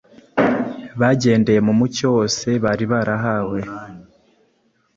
bagendeye mu mucyo wose bari barahawe;